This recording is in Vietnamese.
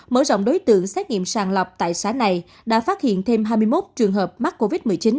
mở rộng đối tượng xét nghiệm sàng lọc tại xã này đã phát hiện thêm hai mươi một trường hợp mắc covid một mươi chín